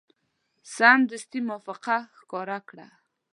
سمدستي موافقه ښکاره کړه.